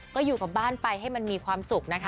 ก็อยู่กับบ้านไปให้มันมีความสุขนะคะ